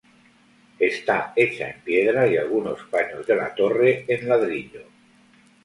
Está hecha en piedra y algunos paños de la torre en ladrillo.